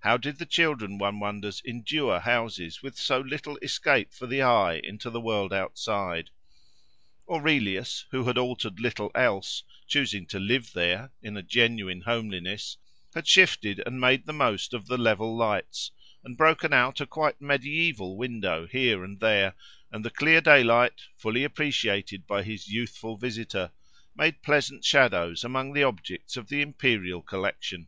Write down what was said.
How did the children, one wonders, endure houses with so little escape for the eye into the world outside? Aurelius, who had altered little else, choosing to live there, in a genuine homeliness, had shifted and made the most of the level lights, and broken out a quite medieval window here and there, and the clear daylight, fully appreciated by his youthful visitor, made pleasant shadows among the objects of the imperial collection.